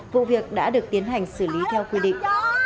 vụ việc đã được tiến hành xử lý theo quy định